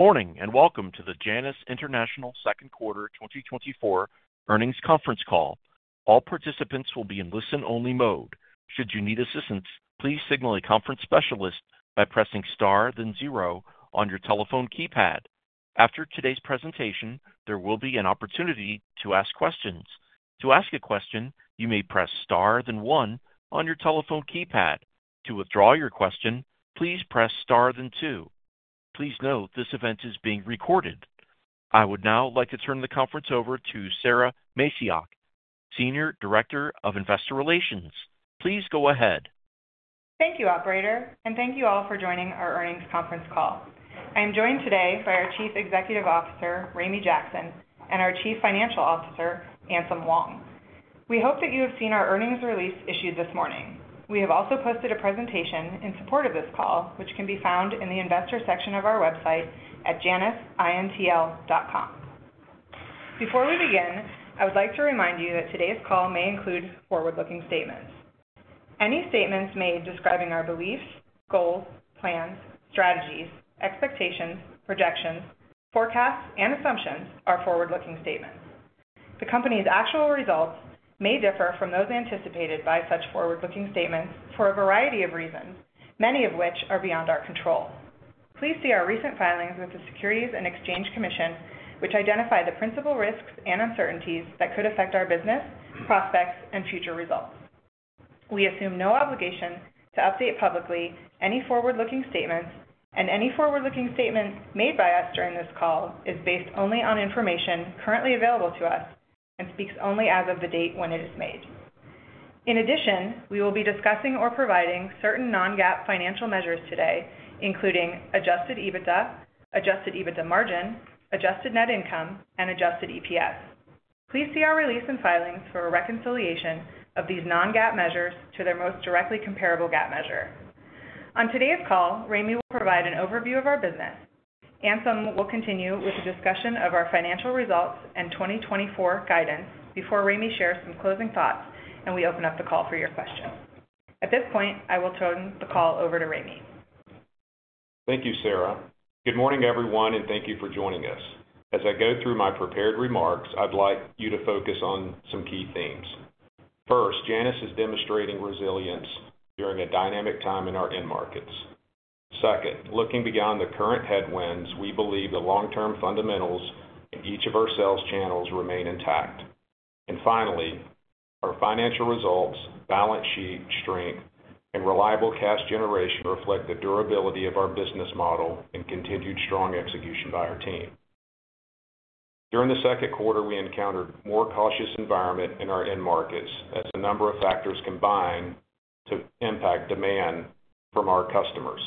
Good morning, and welcome to the Janus International second quarter 2024 earnings conference call. All participants will be in listen-only mode. Should you need assistance, please signal a conference specialist by pressing star, then zero on your telephone keypad. After today's presentation, there will be an opportunity to ask questions. To ask a question, you may press star, then one on your telephone keypad. To withdraw your question, please press star, then two. Please note, this event is being recorded. I would now like to turn the conference over to Sara Macioch, Senior Director of Investor Relations. Please go ahead. Thank you, operator, and thank you all for joining our earnings conference call. I am joined today by our Chief Executive Officer, Ramey Jackson, and our Chief Financial Officer, Anselm Wong. We hope that you have seen our earnings release issued this morning. We have also posted a presentation in support of this call, which can be found in the investor section of our website at janusintl.com. Before we begin, I would like to remind you that today's call may include forward-looking statements. Any statements made describing our beliefs, goals, plans, strategies, expectations, projections, forecasts, and assumptions are forward-looking statements. The company's actual results may differ from those anticipated by such forward-looking statements for a variety of reasons, many of which are beyond our control. Please see our recent filings with the Securities and Exchange Commission, which identify the principal risks and uncertainties that could affect our business, prospects, and future results. We assume no obligation to update publicly any forward-looking statements, and any forward-looking statement made by us during this call is based only on information currently available to us and speaks only as of the date when it is made. In addition, we will be discussing or providing certain non-GAAP financial measures today, including Adjusted EBITDA, Adjusted EBITDA Margin, Adjusted Net Income, and Adjusted EPS. Please see our release and filings for a reconciliation of these non-GAAP measures to their most directly comparable GAAP measure. On today's call, Ramey will provide an overview of our business. Anselm will continue with a discussion of our financial results and 2024 guidance before Ramey shares some closing thoughts, and we open up the call for your questions. At this point, I will turn the call over to Ramey. Thank you, Sara. Good morning, everyone, and thank you for joining us. As I go through my prepared remarks, I'd like you to focus on some key themes. First, Janus is demonstrating resilience during a dynamic time in our end markets. Second, looking beyond the current headwinds, we believe the long-term fundamentals in each of our sales channels remain intact. Finally, our financial results, balance sheet strength, and reliable cash generation reflect the durability of our business model and continued strong execution by our team. During the second quarter, we encountered a more cautious environment in our end markets as a number of factors combined to impact demand from our customers.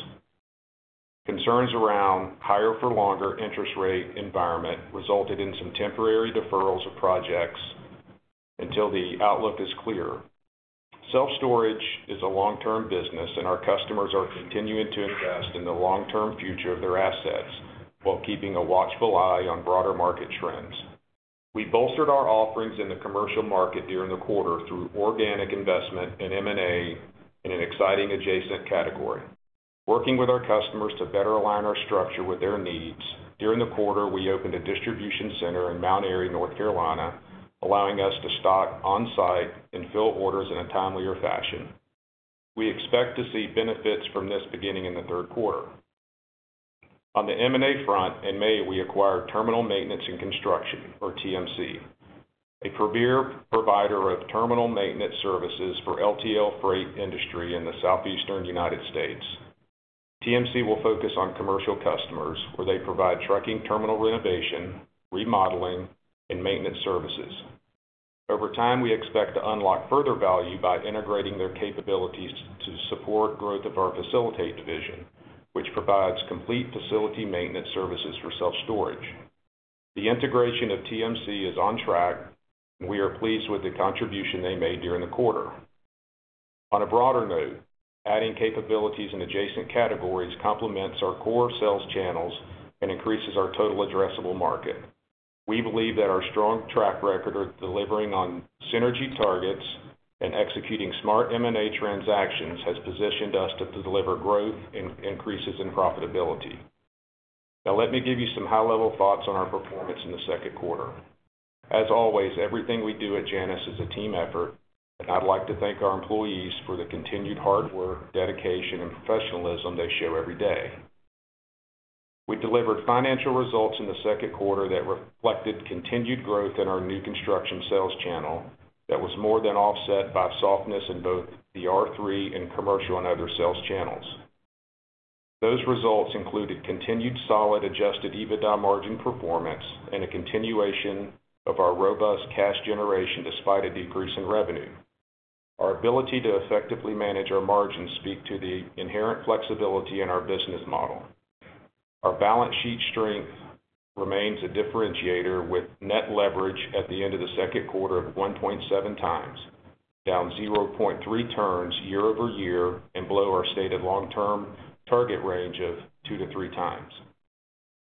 Concerns around the higher-for-longer interest rate environment resulted in some temporary deferrals of projects until the outlook is clear. Self-storage is a long-term business, and our customers are continuing to invest in the long-term future of their assets while keeping a watchful eye on broader market trends. We bolstered our offerings in the commercial market during the quarter through organic investment in M&A in an exciting adjacent category. Working with our customers to better align our structure with their needs, during the quarter, we opened a distribution center in Mount Airy, North Carolina, allowing us to stock on-site and fill orders in a timelier fashion. We expect to see benefits from this beginning in the third quarter. On the M&A front, in May, we acquired Terminal Maintenance and Construction, or TMC, a premier provider of terminal maintenance services for LTL freight industry in the Southeastern United States. TMC will focus on commercial customers, where they provide trucking terminal renovation, remodeling, and maintenance services. Over time, we expect to unlock further value by integrating their capabilities to support growth of our Facilitate division, which provides complete facility maintenance services for self-storage. The integration of TMC is on track, and we are pleased with the contribution they made during the quarter. On a broader note, adding capabilities in adjacent categories complements our core sales channels and increases our total addressable market. We believe that our strong track record of delivering on synergy targets and executing smart M&A transactions has positioned us to deliver growth and increases in profitability. Now, let me give you some high-level thoughts on our performance in the second quarter. As always, everything we do at Janus is a team effort, and I'd like to thank our employees for the continued hard work, dedication, and professionalism they show every day. We delivered financial results in the second quarter that reflected continued growth in our new construction sales channel that was more than offset by softness in both the R3 and commercial and other sales channels. Those results included continued solid Adjusted EBITDA margin performance and a continuation of our robust cash generation despite a decrease in revenue. Our ability to effectively manage our margins speak to the inherent flexibility in our business model. Our balance sheet strength remains a differentiator, with net leverage at the end of the second quarter of 1.7 times, down 0.3 turns year-over-year and below our stated long-term target range of 2-3 times.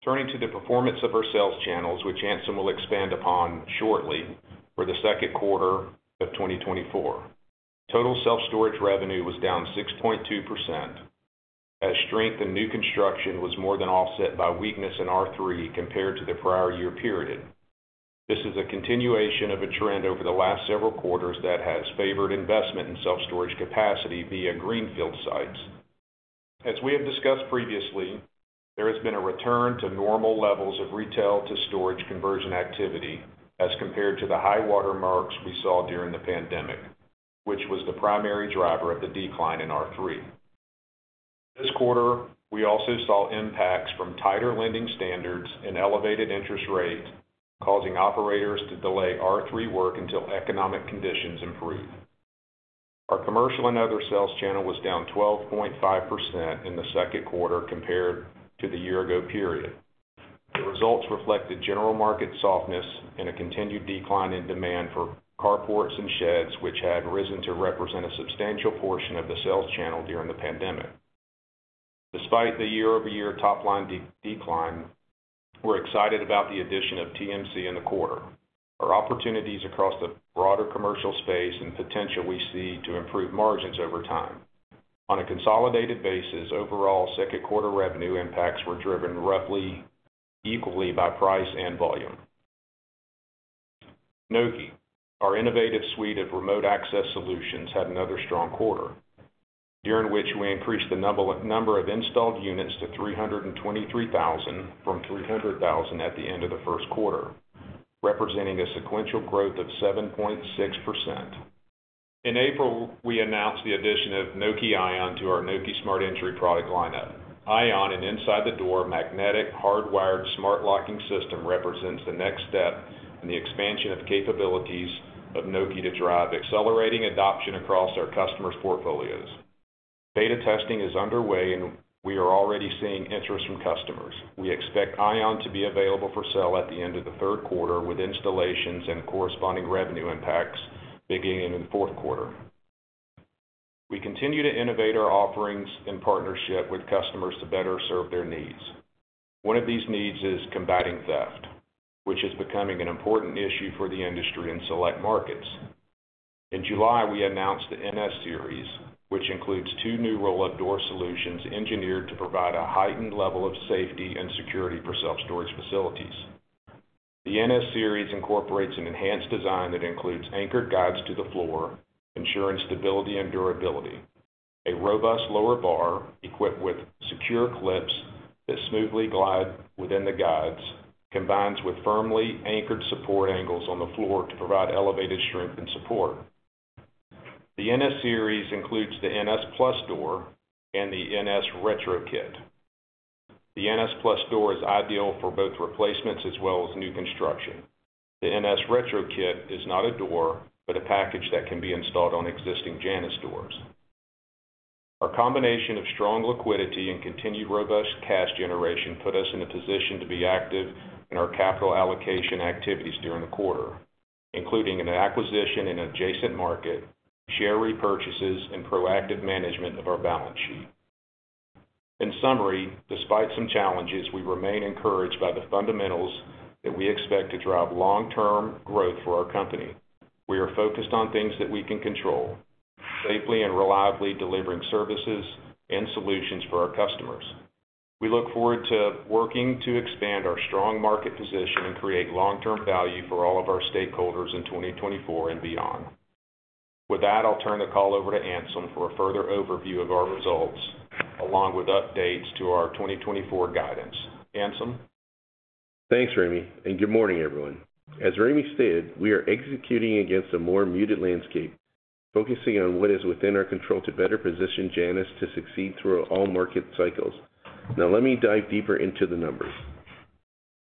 Turning to the performance of our sales channels, which Anselm will expand upon shortly, for the second quarter of 2024.... Total self-storage revenue was down 6.2%, as strength in new construction was more than offset by weakness in R3 compared to the prior year period. This is a continuation of a trend over the last several quarters that has favored investment in self-storage capacity via greenfield sites. As we have discussed previously, there has been a return to normal levels of retail to storage conversion activity as compared to the high water marks we saw during the pandemic, which was the primary driver of the decline in R3. This quarter, we also saw impacts from tighter lending standards and elevated interest rates, causing operators to delay R3 work until economic conditions improve. Our commercial and other sales channel was down 12.5% in the second quarter compared to the year ago period. The results reflected general market softness and a continued decline in demand for carports and sheds, which had risen to represent a substantial portion of the sales channel during the pandemic. Despite the year-over-year top line decline, we're excited about the addition of TMC in the quarter. Our opportunities across the broader commercial space and potential we see to improve margins over time. On a consolidated basis, overall second quarter revenue impacts were driven roughly equally by price and volume. Nokē, our innovative suite of remote access solutions, had another strong quarter, during which we increased the number of installed units to 323,000 from 300,000 at the end of the first quarter, representing a sequential growth of 7.6%. In April, we announced the addition of Nokē Ion to our Nokē Smart Entry product lineup. Ion, an inside-the-door, magnetic, hardwired, smart locking system, represents the next step in the expansion of capabilities of Nokē to drive accelerating adoption across our customers' portfolios. Beta testing is underway, and we are already seeing interest from customers. We expect Ion to be available for sale at the end of the third quarter, with installations and corresponding revenue impacts beginning in the fourth quarter. We continue to innovate our offerings in partnership with customers to better serve their needs. One of these needs is combating theft, which is becoming an important issue for the industry in select markets. In July, we announced the NS Series, which includes two new roll-up door solutions engineered to provide a heightened level of safety and security for self-storage facilities. The NS Series incorporates an enhanced design that includes anchored guides to the floor, ensuring stability and durability. A robust lower bar, equipped with secure clips that smoothly glide within the guides, combines with firmly anchored support angles on the floor to provide elevated strength and support. The NS Series includes the NS Plus door and the NS Retro Kit. The NS Plus door is ideal for both replacements as well as new construction. The NS Retro Kit is not a door, but a package that can be installed on existing Janus doors. Our combination of strong liquidity and continued robust cash generation put us in a position to be active in our capital allocation activities during the quarter, including an acquisition in an adjacent market, share repurchases, and proactive management of our balance sheet. In summary, despite some challenges, we remain encouraged by the fundamentals that we expect to drive long-term growth for our company. We are focused on things that we can control, safely and reliably delivering services and solutions for our customers. We look forward to working to expand our strong market position and create long-term value for all of our stakeholders in 2024 and beyond. With that, I'll turn the call over to Anselm for a further overview of our results, along with updates to our 2024 guidance. Anselm? Thanks, Ramey, and good morning, everyone. As Ramey stated, we are executing against a more muted landscape, focusing on what is within our control to better position Janus to succeed through all market cycles. Now, let me dive deeper into the numbers.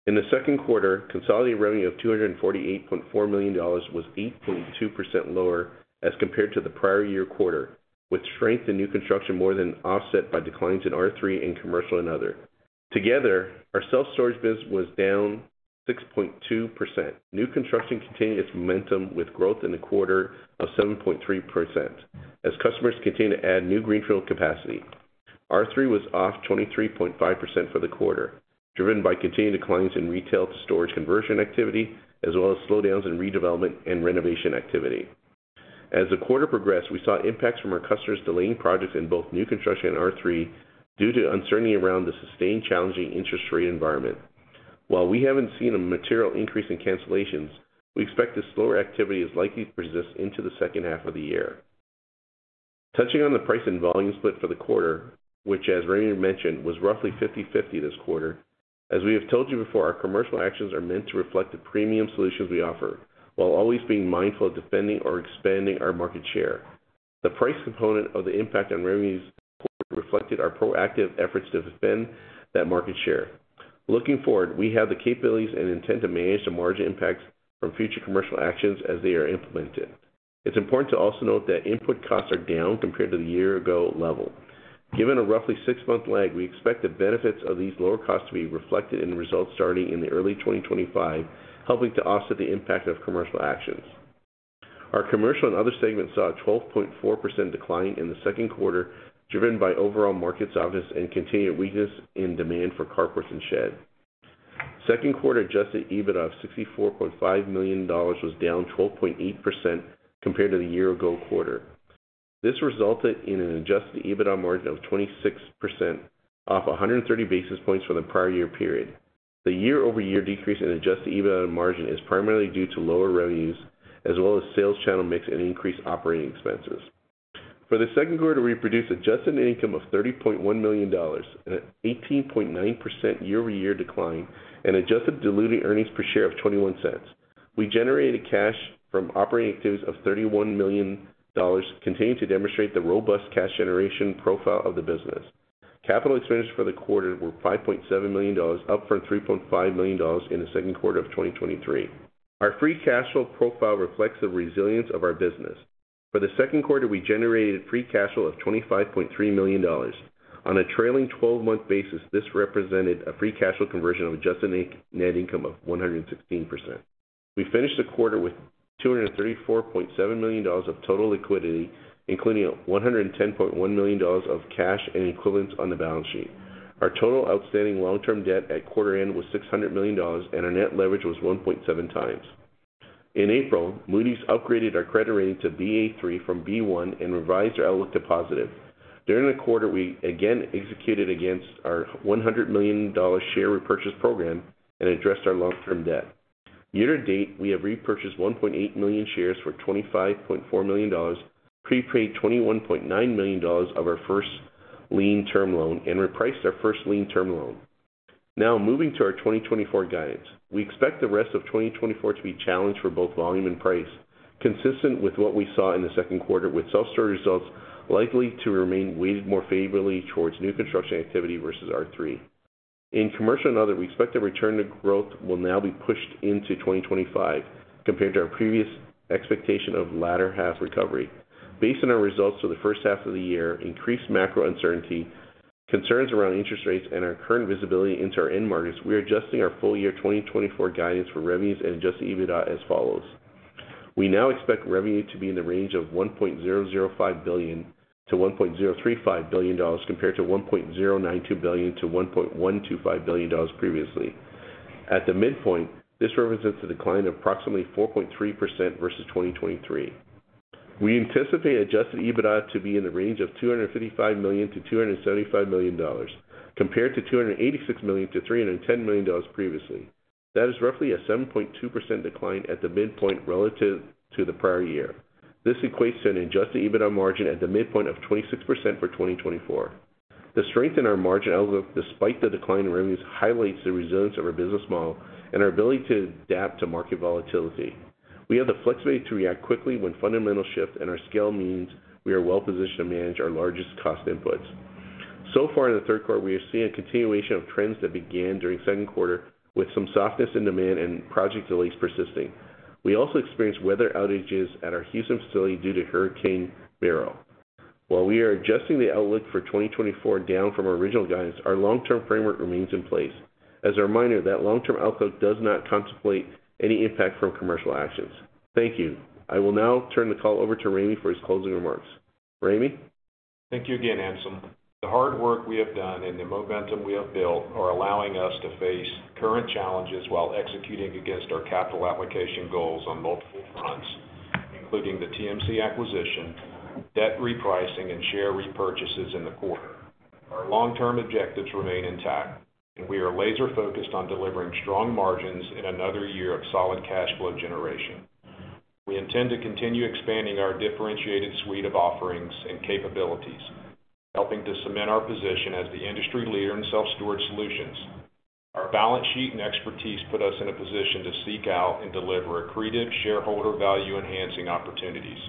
In the second quarter, consolidated revenue of $248.4 million was 8.2% lower as compared to the prior year quarter, with strength in new construction more than offset by declines in R3 and commercial and other. Together, our self-storage business was down 6.2%. New construction continued its momentum, with growth in the quarter of 7.3%, as customers continued to add new greenfield capacity. R3 was off 23.5% for the quarter, driven by continued declines in retail to storage conversion activity, as well as slowdowns in redevelopment and renovation activity. As the quarter progressed, we saw impacts from our customers delaying projects in both new construction and R3 due to uncertainty around the sustained challenging interest rate environment. While we haven't seen a material increase in cancellations, we expect the slower activity is likely to persist into the second half of the year. Touching on the price and volume split for the quarter, which, as Ramey mentioned, was roughly 50/50 this quarter. As we have told you before, our commercial actions are meant to reflect the premium solutions we offer, while always being mindful of defending or expanding our market share. The price component of the impact on revenue this quarter reflected our proactive efforts to defend that market share. Looking forward, we have the capabilities and intent to manage the margin impacts from future commercial actions as they are implemented. It's important to also note that input costs are down compared to the year-ago level. Given a roughly six-month lag, we expect the benefits of these lower costs to be reflected in results starting in the early 2025, helping to offset the impact of commercial actions. Our commercial and other segments saw a 12.4% decline in the second quarter, driven by overall market softness and continued weakness in demand for carports and sheds. Second quarter adjusted EBITDA of $64.5 million was down 12.8% compared to the year-ago quarter. This resulted in an adjusted EBITDA margin of 26%, off 130 basis points from the prior year period. The year-over-year decrease in adjusted EBITDA margin is primarily due to lower revenues, as well as sales channel mix and increased operating expenses. For the second quarter, we produced adjusted income of $30.1 million, an 18.9% year-over-year decline, and adjusted diluted earnings per share of $0.21. We generated cash from operating activities of $31 million, continuing to demonstrate the robust cash generation profile of the business. Capital expenditures for the quarter were $5.7 million, up from $3.5 million in the second quarter of 2023. Our free cash flow profile reflects the resilience of our business. For the second quarter, we generated free cash flow of $25.3 million. On a trailing 12 month basis, this represented a free cash flow conversion of adjusted net income of 116%. We finished the quarter with $234.7 million of total liquidity, including $110.1 million of cash and equivalents on the balance sheet. Our total outstanding long-term debt at quarter end was $600 million, and our net leverage was 1.7 times. In April, Moody's upgraded our credit rating to Ba3 from B1 and revised our outlook to positive. During the quarter, we again executed against our $100 million share repurchase program and addressed our long-term debt. Year to date, we have repurchased 1.8 million shares for $25.4 million, prepaid $21.9 million of our first lien term loan, and repriced our first lien term loan. Now, moving to our 2024 guidance. We expect the rest of 2024 to be challenged for both volume and price, consistent with what we saw in the second quarter, with self-storage results likely to remain weighted more favorably towards new construction activity versus R3. In commercial and other, we expect the return to growth will now be pushed into 2025, compared to our previous expectation of latter half recovery. Based on our results for the first half of the year, increased macro uncertainty, concerns around interest rates, and our current visibility into our end markets, we are adjusting our full year 2024 guidance for revenues and Adjusted EBITDA as follows: We now expect revenue to be in the range of $1.005 billion-$1.035 billion, compared to $1.092 billion-$1.125 billion previously. At the midpoint, this represents a decline of approximately 4.3% versus 2023. We anticipate adjusted EBITDA to be in the range of $255 million-$275 million, compared to $286 million-$310 million previously. That is roughly a 7.2% decline at the midpoint relative to the prior year. This equates to an adjusted EBITDA margin at the midpoint of 26% for 2024. The strength in our margin outlook, despite the decline in revenues, highlights the resilience of our business model and our ability to adapt to market volatility. We have the flexibility to react quickly when fundamental shifts and our scale means we are well positioned to manage our largest cost inputs. So far in the third quarter, we have seen a continuation of trends that began during second quarter, with some softness in demand and project delays persisting. We also experienced weather outages at our Houston facility due to Hurricane Beryl. While we are adjusting the outlook for 2024 down from our original guidance, our long-term framework remains in place. As a reminder, that long-term outlook does not contemplate any impact from commercial actions. Thank you. I will now turn the call over to Ramey for his closing remarks. Ramey? Thank you again, Anselm. The hard work we have done and the momentum we have built are allowing us to face current challenges while executing against our capital application goals on multiple fronts, including the TMC acquisition, debt repricing, and share repurchases in the quarter. Our long-term objectives remain intact, and we are laser focused on delivering strong margins in another year of solid cash flow generation. We intend to continue expanding our differentiated suite of offerings and capabilities, helping to cement our position as the industry leader in self-storage solutions. Our balance sheet and expertise put us in a position to seek out and deliver accretive shareholder value-enhancing opportunities.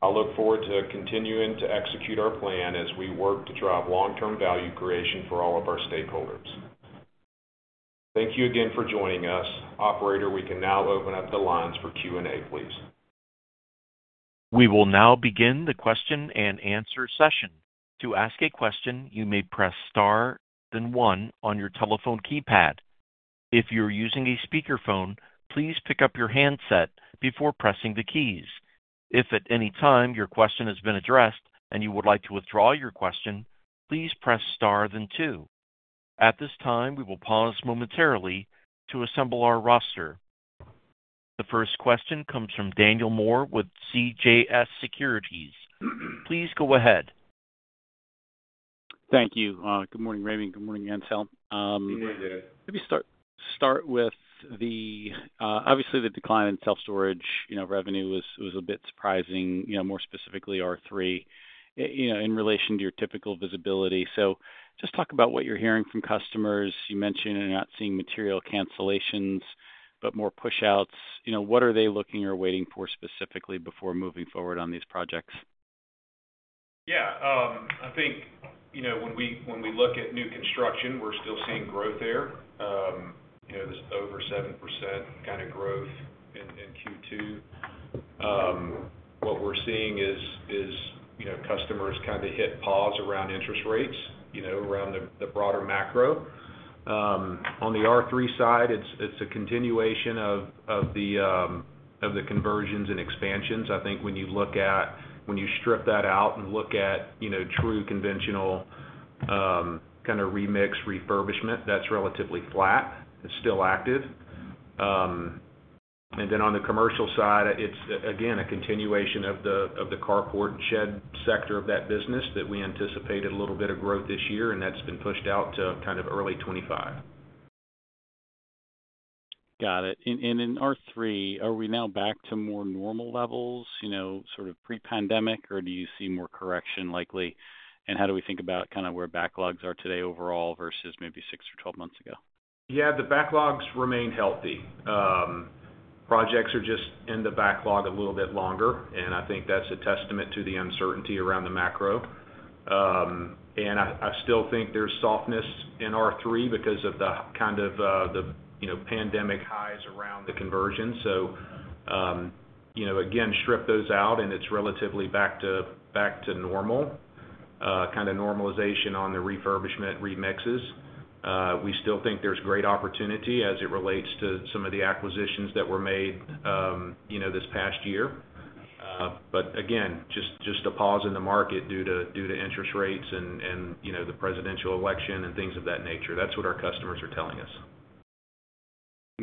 I look forward to continuing to execute our plan as we work to drive long-term value creation for all of our stakeholders. Thank you again for joining us. Operator, we can now open up the lines for Q&A, please. We will now begin the question and answer session. To ask a question, you may press star, then one on your telephone keypad. If you're using a speakerphone, please pick up your handset before pressing the keys. If at any time your question has been addressed and you would like to withdraw your question, please press star, then two. At this time, we will pause momentarily to assemble our roster. The first question comes from Daniel Moore with CJS Securities. Please go ahead. Thank you. Good morning, Ramey. Good morning, Anselm. Good morning, Daniel. Obviously, the decline in self-storage, you know, revenue was a bit surprising, you know, more specifically R3, you know, in relation to your typical visibility. So just talk about what you're hearing from customers. You mentioned you're not seeing material cancellations, but more push-outs. You know, what are they looking or waiting for specifically before moving forward on these projects? Yeah, I think, you know, when we, when we look at new construction, we're still seeing growth there. You know, there's over 7% kind of growth in Q2. What we're seeing is you know, customers kind of hit pause around interest rates, you know, around the broader macro. On the R3 side, it's a continuation of the conversions and expansions. I think when you look at when you strip that out and look at, you know, true conventional kind of remix refurbishment, that's relatively flat, it's still active. And then on the commercial side, it's again, a continuation of the carport and shed sector of that business that we anticipated a little bit of growth this year, and that's been pushed out to kind of early 2025. Got it. And in R3, are we now back to more normal levels, you know, sort of pre-pandemic, or do you see more correction likely? And how do we think about kind of where backlogs are today overall versus maybe six or 12 months ago? Yeah, the backlogs remain healthy. Projects are just in the backlog a little bit longer, and I think that's a testament to the uncertainty around the macro. And I still think there's softness in R3 because of the kind of, you know, pandemic highs around the conversion. So, you know, again, strip those out, and it's relatively back to normal, kind of normalization on the refurbishment remodels. We still think there's great opportunity as it relates to some of the acquisitions that were made, you know, this past year. But again, just a pause in the market due to interest rates and, you know, the presidential election and things of that nature. That's what our customers are telling us.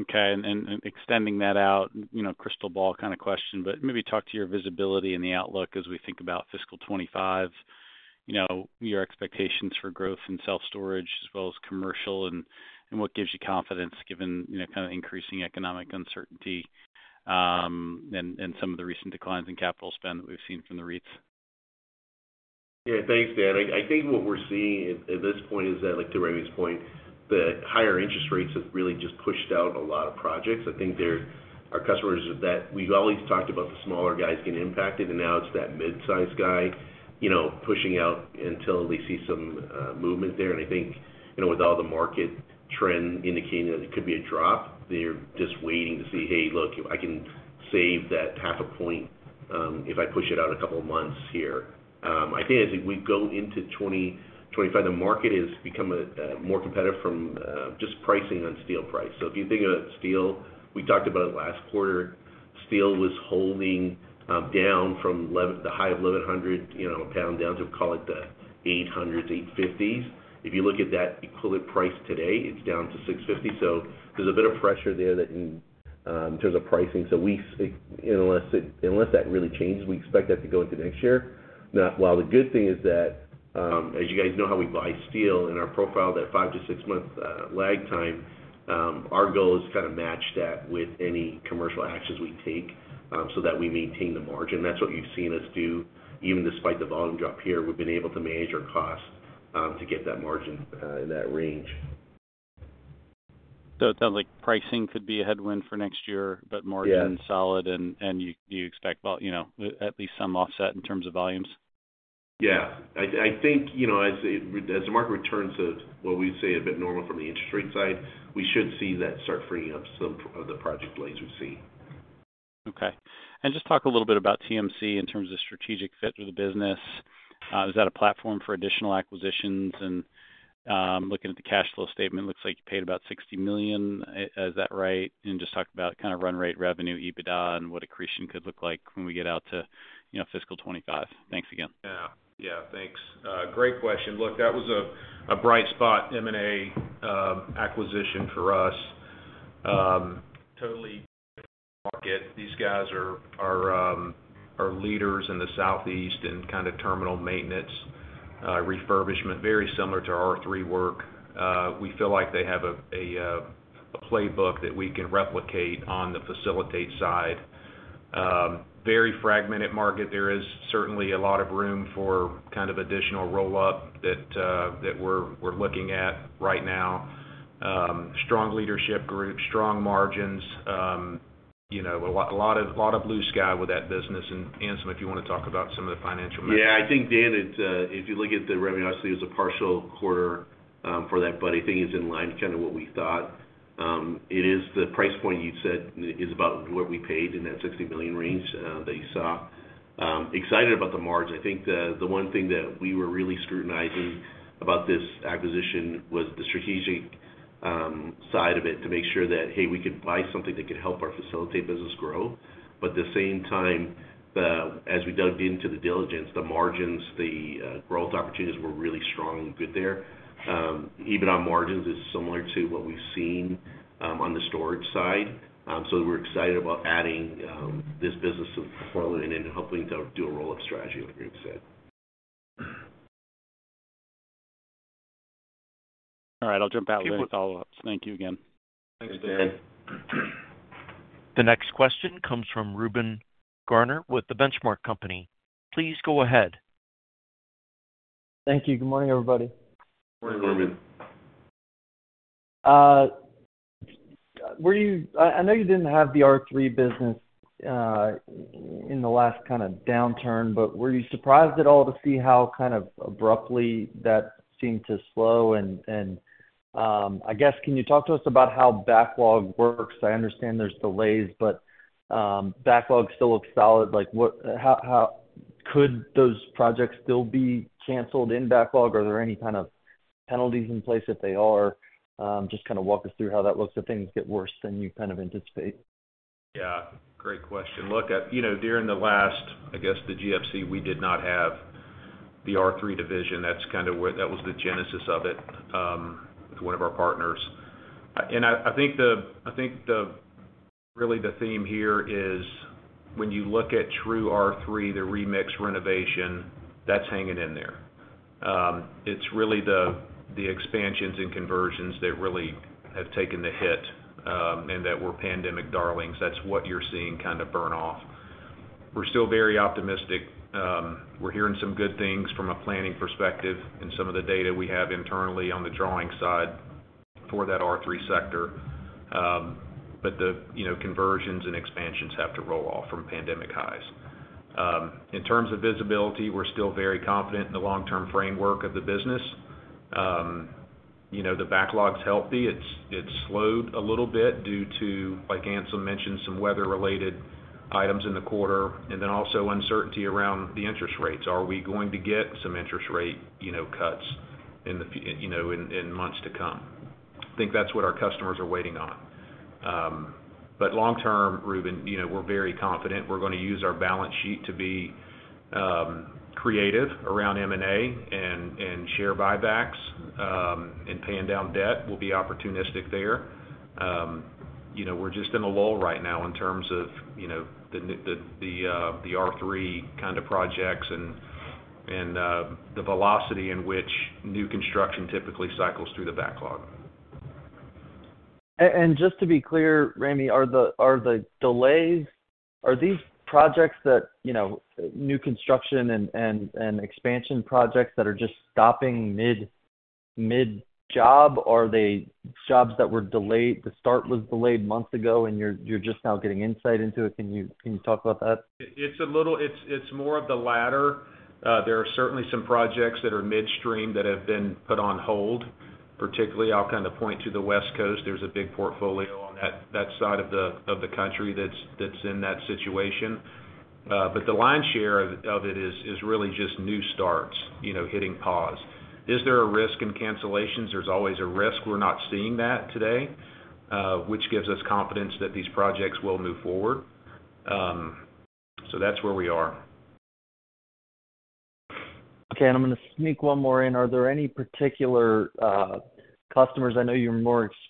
Okay. And, and extending that out, you know, crystal ball kind of question, but maybe talk to your visibility and the outlook as we think about fiscal 2025, you know, your expectations for growth in self-storage as well as commercial, and, and what gives you confidence given, you know, kind of increasing economic uncertainty, and, and some of the recent declines in capital spend that we've seen from the REITs? Yeah, thanks, Dan. I think what we're seeing at this point is that, like, to Ramey's point, the higher interest rates have really just pushed out a lot of projects. I think they're – our customers are that – we've always talked about the smaller guys getting impacted, and now it's that mid-size guy, you know, pushing out until we see some movement there. And I think, you know, with all the market trend indicating that it could be a drop, they're just waiting to see, "Hey, look, if I can save that half a point, if I push it out a couple of months here." My thing is, if we go into 2025, the market has become more competitive from just pricing on steel price. So if you think about steel, we talked about it last quarter. Steel was holding down from the high of $1,100, you know, a pound down to call it the $800s, $850s. If you look at that equivalent price today, it's down to $650. So there's a bit of pressure there that in terms of pricing. So we—unless that really changes, we expect that to go into next year. Now, while the good thing is that, as you guys know, how we buy steel in our profile, that five to six month lag time, our goal is to kind of match that with any commercial actions we take, so that we maintain the margin. That's what you've seen us do, even despite the volume drop here, we've been able to manage our cost to get that margin in that range. So it sounds like pricing could be a headwind for next year, but margin- Yeah... solid, and you expect, well, you know, at least some offset in terms of volumes? Yeah. I think, you know, as the market returns to what we say a bit normal from the interest rate side, we should see that start freeing up some of the project delays we've seen. Okay. And just talk a little bit about TMC in terms of strategic fit for the business. Is that a platform for additional acquisitions? And, looking at the cash flow statement, looks like you paid about $60 million. Is that right? And just talk about kind of run rate revenue, EBITDA, and what accretion could look like when we get out to, you know, fiscal 2025. Thanks again. Yeah. Yeah, thanks. Great question. Look, that was a bright spot M&A acquisition for us. Total market. These guys are leaders in the Southeast in kind of terminal maintenance, refurbishment, very similar to R3 work. We feel like they have a playbook that we can replicate on the Facilitate side. Very fragmented market. There is certainly a lot of room for kind of additional roll-up that we're looking at right now. Strong leadership group, strong margins, you know, a lot of blue sky with that business. And, Anselm, if you want to talk about some of the financial measures. Yeah, I think, Dan, it's, if you look at the revenue, obviously, it was a partial quarter, for that, but I think it's in line with kind of what we thought. It is the price point you'd said is about what we paid in that $60 million range, that you saw. Excited about the margin. I think the, the one thing that we were really scrutinizing about this acquisition was the strategic, side of it to make sure that, hey, we could buy something that could help our Facilitate business grow. But at the same time, the as we dug into the diligence, the margins, the, growth opportunities were really strong and good there. Even on margins, it's similar to what we've seen, on the storage side. So we're excited about adding this business of Portland and hopefully do a roll-up strategy, like Ramey said. All right. I'll jump out with any follow-ups. Thank you again. Thanks, Dan. Thanks, Dan. The next question comes from Reuben Garner with The Benchmark Company. Please go ahead. Thank you. Good morning, everybody. Good morning, Reuben. Were you, I know you didn't have the R3 business in the last kind of downturn, but were you surprised at all to see how kind of abruptly that seemed to slow? I guess, can you talk to us about how backlog works? I understand there's delays, but backlog still looks solid. Like, what, how could those projects still be canceled in backlog? Are there any kind of penalties in place if they are? Just kind of walk us through how that looks if things get worse than you kind of anticipate. Yeah, great question. Look, you know, during the last, I guess, the GFC, we did not have the R3 division. That's kind of where that was the genesis of it, with one of our partners. And I think really the theme here is when you look at true R3, the R3 renovation. That's hanging in there. It's really the expansions and conversions that really have taken the hit, and that we're pandemic darlings. That's what you're seeing kind of burn off. We're still very optimistic. We're hearing some good things from a planning perspective and some of the data we have internally on the drawing side for that R3 sector. But you know, conversions and expansions have to roll off from pandemic highs. In terms of visibility, we're still very confident in the long-term framework of the business. You know, the backlog's healthy. It's slowed a little bit due to, like Anselm mentioned, some weather-related items in the quarter, and then also uncertainty around the interest rates. Are we going to get some interest rate, you know, cuts in the fu-- you know, in, in months to come? I think that's what our customers are waiting on. But long term, Reuben, you know, we're very confident we're gonna use our balance sheet to be creative around M&A and share buybacks, and paying down debt. We'll be opportunistic there. You know, we're just in a lull right now in terms of, you know, the R3 kind of projects and the velocity in which new construction typically cycles through the backlog. And just to be clear, Ramey, are the delays, are these projects that, you know, new construction and expansion projects that are just stopping mid-job? Or are they jobs that were delayed, the start was delayed months ago, and you're just now getting insight into it? Can you talk about that? It's a little. It's more of the latter. There are certainly some projects that are midstream that have been put on hold. Particularly, I'll kind of point to the West Coast. There's a big portfolio on that side of the country that's in that situation. But the lion's share of it is really just new starts, you know, hitting pause. Is there a risk in cancellations? There's always a risk. We're not seeing that today, which gives us confidence that these projects will move forward. So that's where we are. Okay, and I'm gonna sneak one more in. Are there any particular customers? I know you're more exposed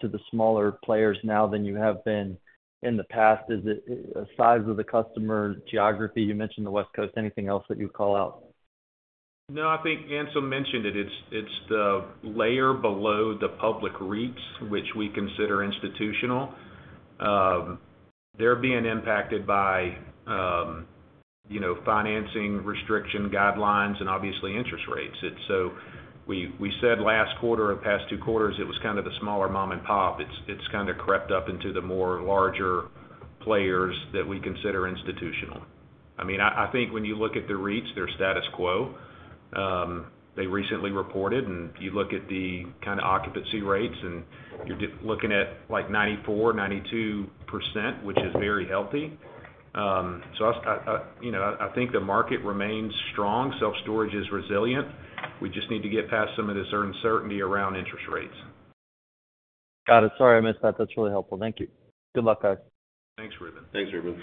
to the smaller players now than you have been in the past. Is it size of the customer, geography? You mentioned the West Coast. Anything else that you'd call out? No, I think Anselm mentioned it. It's the layer below the public REITs, which we consider institutional. They're being impacted by you know, financing restriction guidelines and obviously interest rates. It's so we said last quarter or the past two quarters, it was kind of the smaller mom and pop. It's kinda crept up into the more larger players that we consider institutional. I mean, I think when you look at the REITs, their status quo, they recently reported, and you look at the kind of occupancy rates, and you're looking at, like, 94%, 92%, which is very healthy. So I, you know, I think the market remains strong. Self-storage is resilient. We just need to get past some of this uncertainty around interest rates. Got it. Sorry, I missed that. That's really helpful. Thank you. Good luck, guys. Thanks, Reuben. Thanks, Reuben.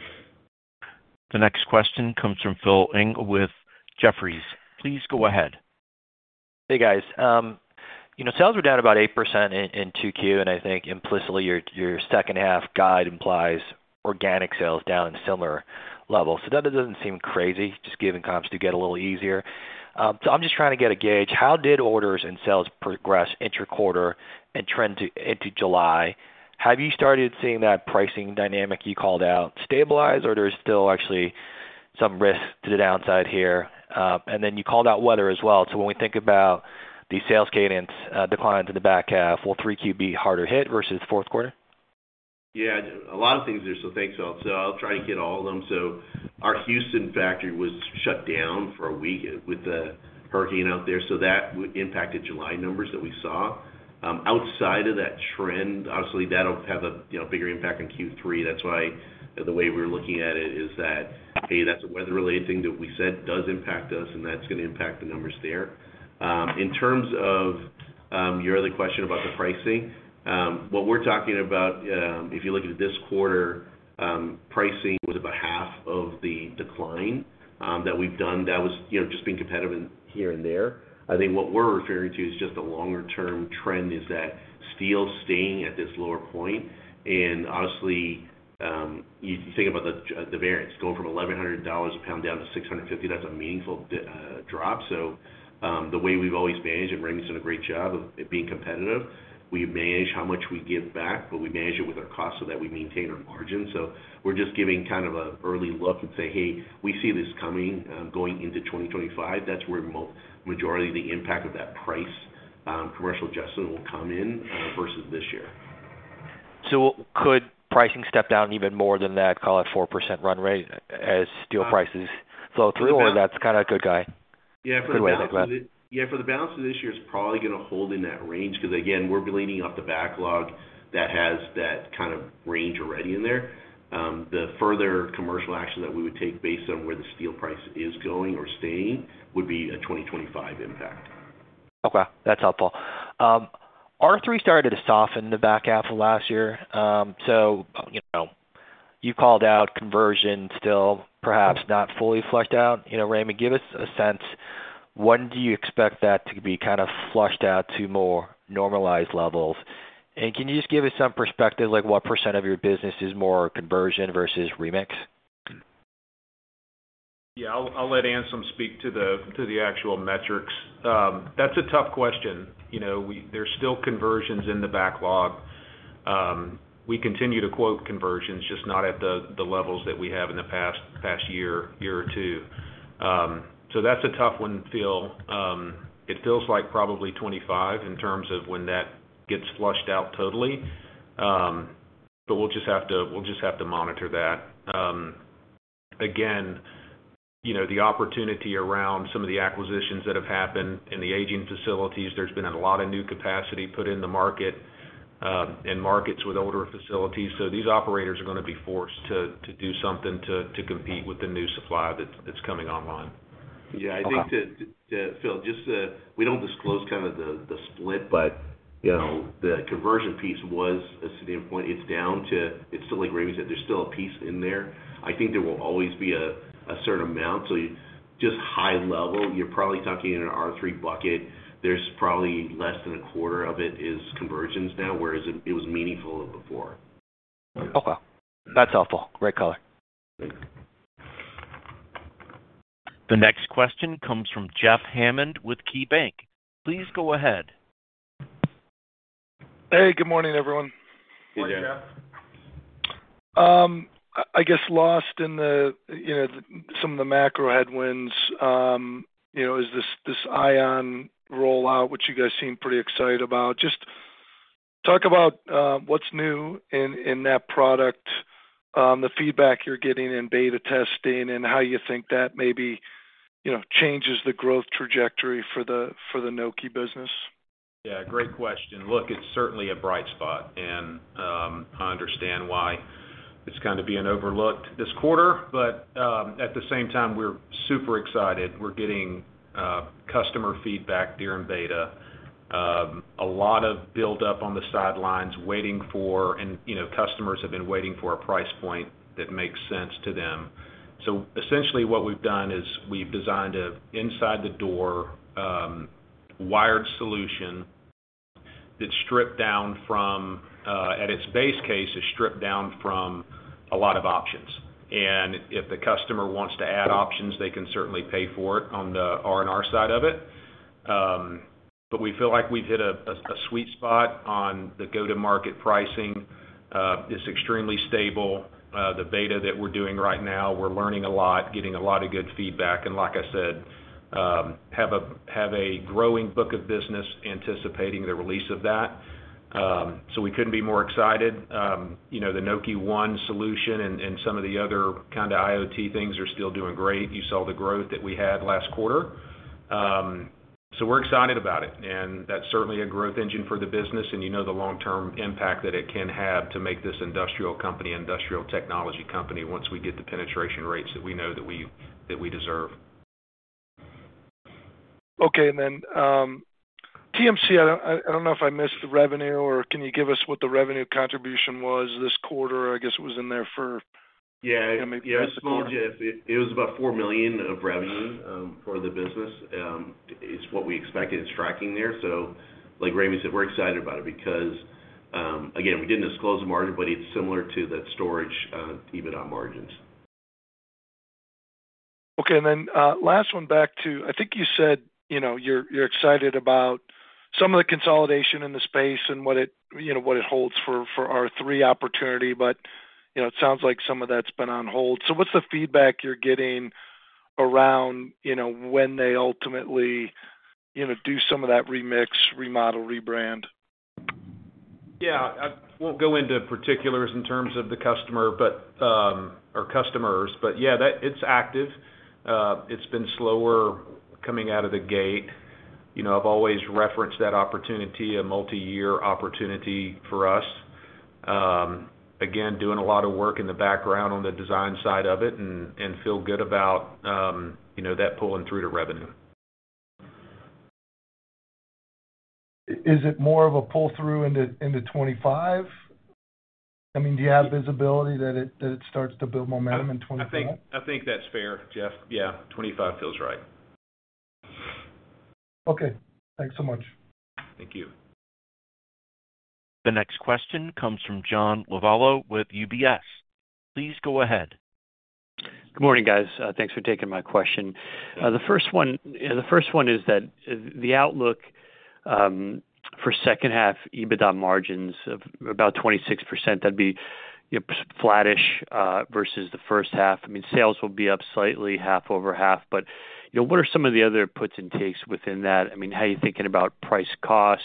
The next question comes from Philip Ng with Jefferies. Please go ahead. Hey, guys. You know, sales were down about 8% in Q2, and I think implicitly, your second half guide implies organic sales down in similar levels. So that doesn't seem crazy, just given comps to get a little easier. So I'm just trying to get a gauge, how did orders and sales progress interquarter and trend into July? Have you started seeing that pricing dynamic you called out, stabilize, or there's still actually some risk to the downside here? And then you called out weather as well. So when we think about the sales cadence, decline into the back half, will Q3 be harder hit versus fourth quarter? Yeah, a lot of things there. So thanks, Phil. So I'll try to get all of them. So our Houston factory was shut down for a week with the hurricane out there, so that impacted July numbers that we saw. Outside of that trend, obviously, that'll have a, you know, bigger impact on Q3. That's why the way we're looking at it is that, hey, that's a weather-related thing that we said does impact us, and that's gonna impact the numbers there. In terms of, your other question about the pricing, what we're talking about, if you look at this quarter, pricing was about half of the decline, that we've done. That was, you know, just being competitive here and there. I think what we're referring to is just the longer term trend, is that steel staying at this lower point. And honestly, you think about the, the variance, going from $1,100 a pound down to $650, that's a meaningful drop. So, the way we've always managed, and Ramey's done a great job of it being competitive, we manage how much we give back, but we manage it with our costs so that we maintain our margin. So we're just giving kind of a early look and say, "Hey, we see this coming, going into 2025." That's where majority of the impact of that price, commercial adjustment will come in, versus this year. So could pricing step down even more than that, call it 4% run rate, as steel prices flow through? Or that's kind of good guy- Yeah, for the balance-... Good way to look at it. Yeah, for the balance of this year, it's probably gonna hold in that range because, again, we're leaning off the backlog that has that kind of range already in there. The further commercial action that we would take based on where the steel price is going or staying, would be a 2025 impact.... Okay, that's helpful. R3 started to soften in the back half of last year. So, you know, you called out conversion still, perhaps not fully flushed out. You know, Ramey, give us a sense, when do you expect that to be kind of flushed out to more normalized levels? And can you just give us some perspective, like, what percent of your business is more conversion versus remix? Yeah, I'll let Anselm speak to the actual metrics. That's a tough question. You know, we, there's still conversions in the backlog. We continue to quote conversions, just not at the levels that we have in the past year or two. So that's a tough one, Phil. It feels like probably 25 in terms of when that gets flushed out totally. But we'll just have to monitor that. Again, you know, the opportunity around some of the acquisitions that have happened in the aging facilities, there's been a lot of new capacity put in the market, and markets with older facilities. So these operators are gonna be forced to do something to compete with the new supply that's coming online. Yeah, I think to Phil, just to... We don't disclose kind of the split, but, you know, the conversion piece was a starting point. It's down to, it's still like Raymond said, there's still a piece in there. I think there will always be a certain amount. So just high level, you're probably talking in an R3 bucket. There's probably less than a quarter of it is conversions now, whereas it was meaningful before. Okay. That's helpful. Great color. The next question comes from Jeff Hammond with KeyBanc. Please go ahead. Hey, good morning, everyone. Good morning, Jeff. I guess, lost in the, you know, some of the macro headwinds, you know, is this Ion rollout, which you guys seem pretty excited about. Just talk about, what's new in that product, the feedback you're getting in beta testing, and how you think that maybe, you know, changes the growth trajectory for the Nokē business? Yeah, great question. Look, it's certainly a bright spot, and I understand why it's kind of being overlooked this quarter. But at the same time, we're super excited. We're getting customer feedback during beta. A lot of build-up on the sidelines waiting for... And, you know, customers have been waiting for a price point that makes sense to them. So essentially, what we've done is we've designed an inside the door wired solution that's stripped down from, at its base case, is stripped down from a lot of options. And if the customer wants to add options, they can certainly pay for it on the RMR side of it. But we feel like we've hit a sweet spot on the go-to-market pricing. It's extremely stable. The beta that we're doing right now, we're learning a lot, getting a lot of good feedback, and like I said, have a growing book of business anticipating the release of that. So we couldn't be more excited. You know, the Nokē Ion solution and some of the other kind of IoT things are still doing great. You saw the growth that we had last quarter. So we're excited about it, and that's certainly a growth engine for the business, and you know the long-term impact that it can have to make this industrial company, industrial technology company, once we get the penetration rates that we know that we deserve. Okay, and then, TMC, I don't know if I missed the revenue, or can you give us what the revenue contribution was this quarter? I guess it was in there for- Yeah. Yeah, small, Jeff. It, it was about $4 million of revenue for the business. It's what we expected. It's tracking there. So like Ramey said, we're excited about it because, again, we didn't disclose the margin, but it's similar to that storage EBITDA margins. Okay, and then last one, back to—I think you said, you know, you're excited about some of the consolidation in the space and what it, you know, what it holds for R3 opportunity. But, you know, it sounds like some of that's been on hold. So what's the feedback you're getting around, you know, when they ultimately, you know, do some of that remix, remodel, rebrand? Yeah. I won't go into particulars in terms of the customer, but or customers. But yeah, it's active. It's been slower coming out of the gate. You know, I've always referenced that opportunity, a multi-year opportunity for us. Again, doing a lot of work in the background on the design side of it and feel good about, you know, that pulling through to revenue. Is it more of a pull-through into 2025? I mean, do you have visibility that it starts to build momentum in 2025? I think, I think that's fair, Jeff. Yeah, 2025 feels right. Okay. Thanks so much. Thank you. The next question comes from John Lovallo with UBS. Please go ahead. Good morning, guys. Thanks for taking my question. The first one, the first one is that the, the outlook, for second half EBITDA margins of about 26%, that'd be, you know, flat-ish, versus the first half. I mean, sales will be up slightly, half over half, but, you know, what are some of the other puts and takes within that? I mean, how are you thinking about price, cost,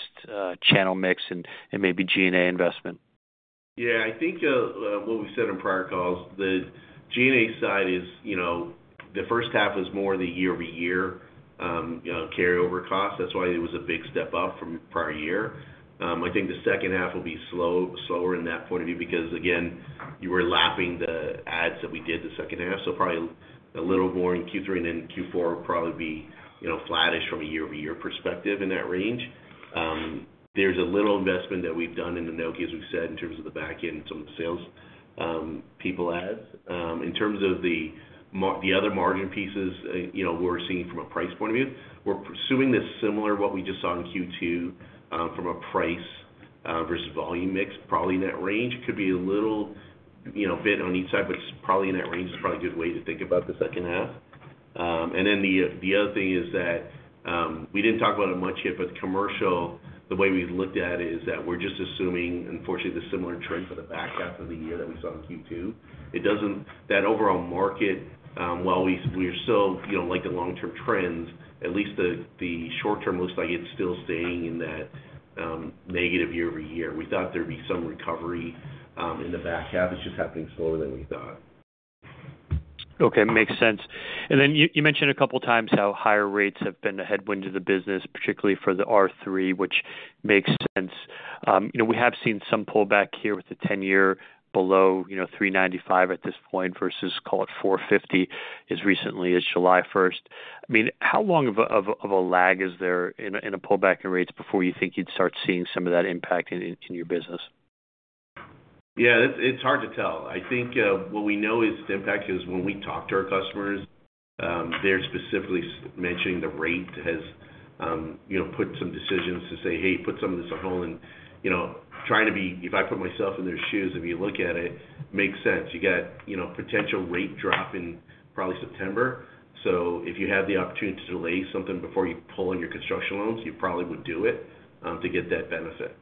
channel mix, and, and maybe G&A investment? Yeah, I think what we've said on prior calls, the G&A side is, you know. The first half was more the year-over-year, you know, carryover cost. That's why it was a big step up from prior year. I think the second half will be slower in that point of view, because, again, you were lapping the ads that we did the second half. So probably a little more in Q3, and then Q4 will probably be, you know, flattish from a year-over-year perspective in that range. There's a little investment that we've done in the Nokē, as we've said, in terms of the back-end, some of the sales, people ads. In terms of the other margin pieces, you know, we're seeing from a price point of view, we're pursuing this similar, what we just saw in Q2, from a price versus volume mix, probably in that range. Could be a little, you know, bit on each side, but it's probably in that range, is probably a good way to think about the second half. And then the other thing is that, we didn't talk about it much yet, but the commercial, the way we looked at it is that we're just assuming, unfortunately, the similar trend for the back half of the year that we saw in Q2. That overall market, while we're still, you know, like the long-term trends, at least the short term looks like it's still staying in that negative year-over-year. We thought there'd be some recovery, in the back half. It's just happening slower than we thought. Okay, makes sense. And then you mentioned a couple of times how higher rates have been a headwind to the business, particularly for the R3, which makes sense. You know, we have seen some pullback here with the 10-year below, you know, 3.95 at this point, versus, call it, 4.50, as recently as 1st July. I mean, how long of a lag is there in a pullback in rates before you think you'd start seeing some of that impact in your business? Yeah, it's hard to tell. I think what we know is the impact is when we talk to our customers, they're specifically mentioning the rate has, you know, put some decisions to say, "Hey, put some of this on hold." And, you know, trying to be if I put myself in their shoes, if you look at it, makes sense. You got, you know, potential rate drop in probably September. So if you had the opportunity to delay something before you pull on your construction loans, you probably would do it to get that benefit.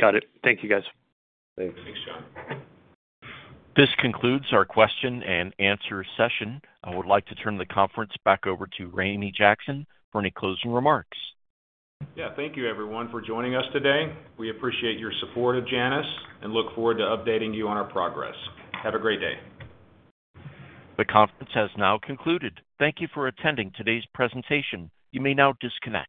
Got it. Thank you, guys. Thanks. Thanks, John. This concludes our question and answer session. I would like to turn the conference back over to Ramey Jackson for any closing remarks. Yeah, thank you everyone for joining us today. We appreciate your support of Janus, and look forward to updating you on our progress. Have a great day. The conference has now concluded. Thank you for attending today's presentation. You may now disconnect.